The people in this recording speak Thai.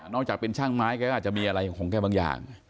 จากเป็นช่างไม้แกก็อาจจะมีอะไรของแกบางอย่าง